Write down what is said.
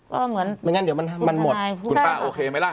ก็เหมือนไม่งั้นเดี๋ยวมันมันหมดคุณท่านายคุณป้าโอเคไหมล่ะ